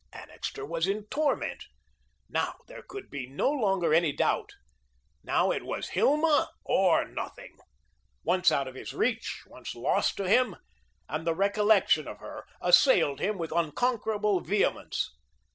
Annixter was in torment. Now, there could be no longer any doubt now it was Hilma or nothing. Once out of his reach, once lost to him, and the recollection of her assailed him with unconquerable vehemence.